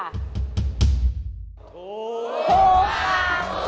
โอ้โห